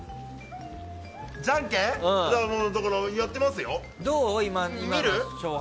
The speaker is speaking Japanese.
じゃんけん、やってますよ？